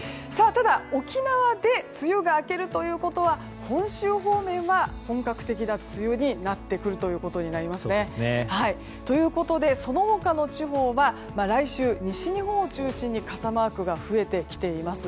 ただ、沖縄で梅雨が明けるということは本州方面は本格的な梅雨になってくるということになりますね。ということで、その他の地方は来週、西日本を中心に傘マークが増えてきています。